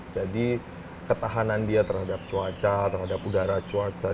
jadi ketahanan dia terhadap cuaca terhadap udara cuaca